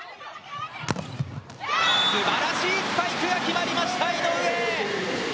素晴らしいスパイクが決まりました、井上。